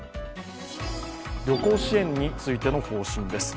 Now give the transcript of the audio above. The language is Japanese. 旅行支援についての方針です。